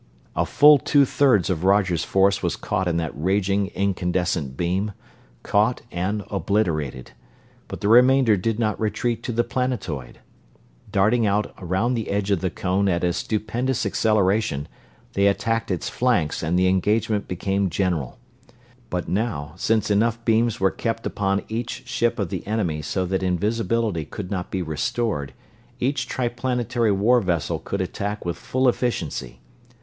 A full two thirds of Roger's force was caught in that raging, incandescent beam; caught and obliterated: but the remainder did not retreat to the planetoid. Darting out around the edge of the cone at a stupendous acceleration, they attacked its flanks and the engagement became general. But now, since enough beams were kept upon each ship of the enemy so that invisibility could not be restored, each Triplanetary war vessel could attack with full efficiency.